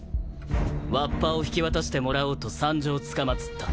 わっぱを引き渡してもらおうと参上つかまつった。